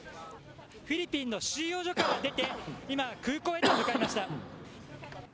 フィリピンの収容所から出て今、空港へと向かいました。